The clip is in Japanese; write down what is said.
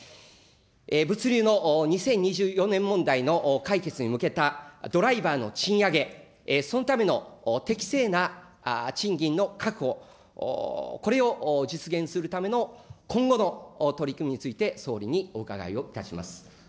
物流の２０２４年問題の解決に向けたドライバーの賃上げ、そのための適正な賃金の確保、これを実現するための、今後の取り組みについて、総理にお伺いをいたします。